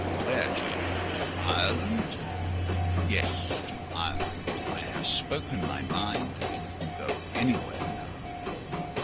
"Where, Jane? To Ireland?" "Yes—to Ireland. I have spoken my mind, and can go anywhere now."